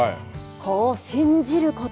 子を信じること。